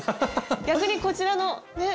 逆にこちらのね